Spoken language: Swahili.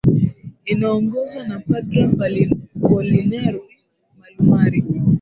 inaongozwa na padra polineri malumari